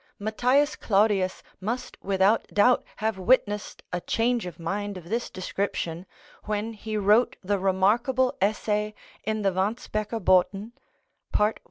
Matthias Claudius must without doubt have witnessed a change of mind of this description when he wrote the remarkable essay in the "Wandsbecker Boten" (pt.